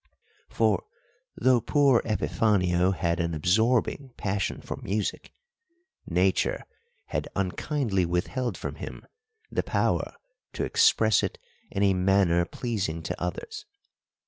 For, though poor Epifanio had an absorbing passion for music, Nature had unkindly withheld from him the power to express it in a manner pleasing to others.